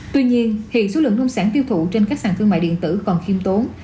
tuy nhiên hiện số lượng nông sản tiêu thụ trên các sàn thương mại điện tử còn khiêm tốn